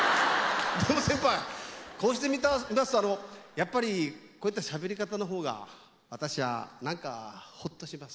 でも先輩こうしてみますとやっぱりこういったしゃべり方の方が私は何かほっとします。